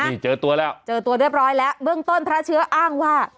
นี่เจอตัวแล้วเจอตัวเรียบร้อยแล้วเบื้องต้นพระเชื้ออ้างว่า